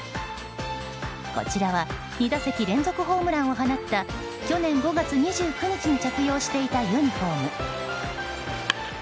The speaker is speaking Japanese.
こちらは２打席連続ホームランを放った去年５月２９日に着用していたユニホーム。